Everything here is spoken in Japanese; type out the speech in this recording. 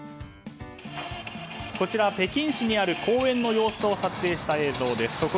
こちら北京市にある公園の様子を撮影した映像です。